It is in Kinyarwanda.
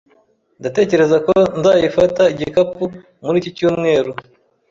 Ndatekereza ko nzayifata igikapu muri iki cyumweru.